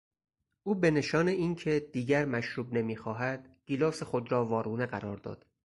او به نشان اینکه دیگر مشروب نمیخواهد گیلاس خود را وارونه قرار داد.